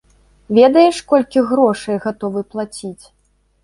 Ведаеш, колькі грошай гатовы плаціць?